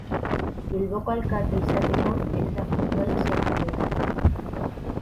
Bilboko alkate izateko ez da futbolaz jakin behar.